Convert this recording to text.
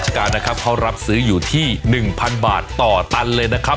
ดังนั้นรัชกาลเขารับซื้ออยู่ที่๑๐๐๐บาทต่อตันเลยนะครับ